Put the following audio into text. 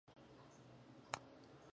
ټولنیز مسوولیت مه هیروئ.